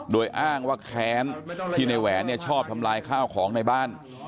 โดยอ้างว่าแค้นที่ในแหวนเนี่ยชอบทำลายข้าวของในบ้าน